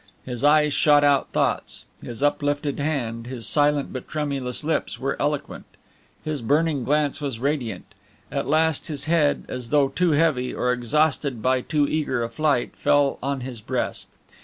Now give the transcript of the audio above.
His eyes shot out thoughts; his uplifted hand, his silent but tremulous lips were eloquent; his burning glance was radiant; at last his head, as though too heavy, or exhausted by too eager a flight, fell on his breast.